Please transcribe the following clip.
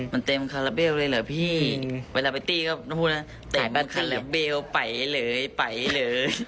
มันเต็มคาราเบลเลยเหรอพี่เวลาไปตี้ก็พูดนะเต็มคาราเบลไปเลยไปเลย